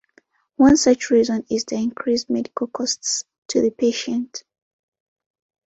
One such reason is the increased medical costs to the patient.